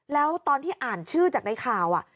แล้วตอนที่อ่านชื่อจากในข่าว